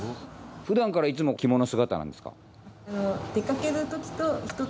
普段からいつも着物姿なんですか？